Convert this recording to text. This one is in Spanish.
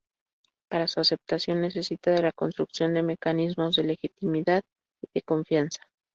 Para su aceptación necesita de la construcción de mecanismos de "legitimidad" y de "confianza".